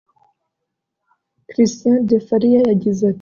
Christian De Faria yagize ati